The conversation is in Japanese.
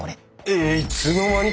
えっいつの間に！？